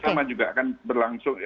semua juga akan berlangsung